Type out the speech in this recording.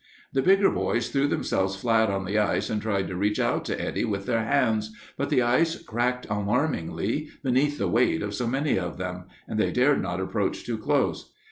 The bigger boys threw themselves flat on the ice and tried to reach out to Eddie with their hands, but the ice cracked alarmingly beneath the weight of so many of them, and they dared not approach too close.